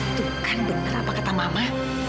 itu kan benar apa kata mama